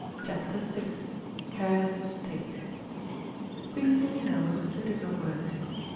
CHAPTER VI CARES OF STATE Queen Selina was as good as her word.